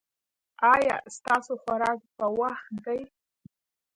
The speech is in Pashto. ایا ستاسو خوراک په وخت دی؟